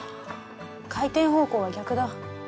回転方向が逆だ。